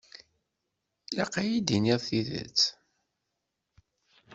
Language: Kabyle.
Ilaq ad iyi-d-tiniḍ tidet.